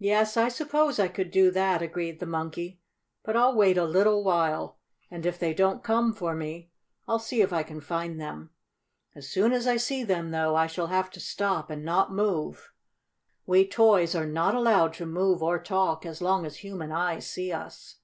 "Yes, I suppose I could do that," agreed the Monkey. "But I'll wait a little while, and, if they don't come for me, I'll see if I can find them. As soon as I see them, though, I shall have to stop, and not move. We toys are not allowed to move or talk as long as human eyes see us."